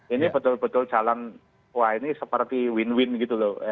ini betul betul jalan wah ini seperti win win gitu loh